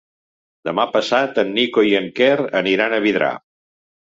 Demà passat en Nico i en Quer aniran a Vidrà.